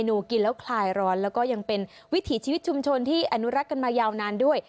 หนูกินแล้วคลายร้อนแล้วก็ยังเป็นวิถีชีวิตชุมชนที่อนุรักษ์กันมายาวนานด้วย